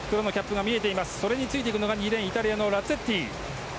それについていくのが２レーン、イタリアのラッツェッティ。